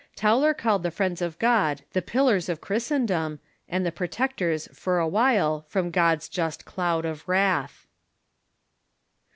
Tauler called the Friends of God the pillars of Christendom, and the protectors for a while from God's just cloud of wrath.